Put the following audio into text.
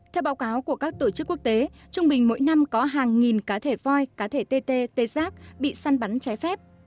theo báo cáo của các tổ chức quốc tế trung bình mỗi năm có hàng nghìn cá thể voi cá thể tt giác bị săn bắn trái phép